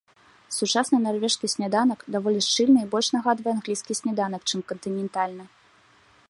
Сучасны нарвежскі сняданак даволі шчыльны і больш нагадвае англійскі сняданак, чым кантынентальны.